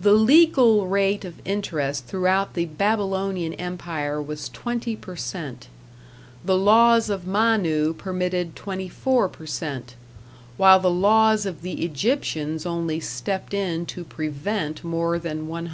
The legal rate of interest throughout the Babylonian Empire was 20%; the laws of Manu permitted 24%, while the laws of the Egyptians only stepped in to prevent more than 100%.